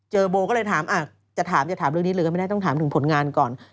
โบก็เลยถามจะถามจะถามเรื่องนี้เลยก็ไม่ได้ต้องถามถึงผลงานก่อน